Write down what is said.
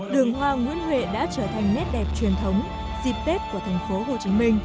đường hoa nguyễn huệ đã trở thành nét đẹp truyền thống dịp tết của tp hcm